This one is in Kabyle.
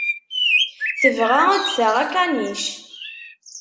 Tebɣa ad d-taɣ akanic.